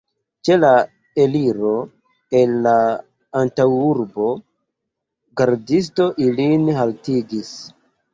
Ĉe la eliro el la antaŭurbo gardisto ilin haltigis.